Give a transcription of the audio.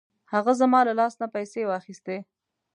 هغه زما له لاس نه پیسې واخیستې.